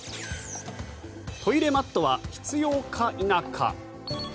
トイレマットは必要か否か。